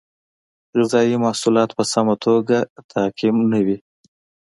غذایي محصولات په سمه توګه تعقیم نه وي.